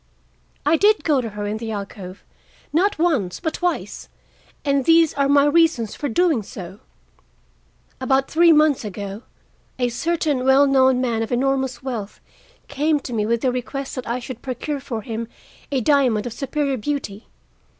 I did go to her in the alcove, not once, but twice, and these are my reasons for doing so: About three months ago a certain well known man of enormous wealth came to me with the request that I should procure for him a diamond of superior beauty.